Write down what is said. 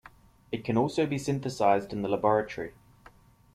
It can also be synthesized in the laboratory.